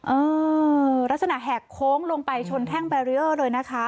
เออลักษณะแหกโค้งลงไปชนแท่งแบรีเออร์เลยนะคะ